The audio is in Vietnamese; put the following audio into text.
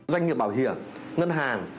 doanh nghiệp bảo hiểm ngân hàng